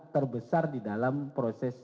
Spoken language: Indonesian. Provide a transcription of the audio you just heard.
terbesar di dalam proses